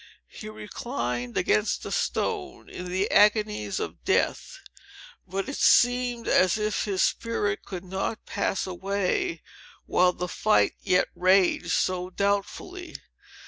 He reclined against a stone, in the agonies of death; but it seemed as if his spirit could not pass away, while the fight yet raged so doubtfully.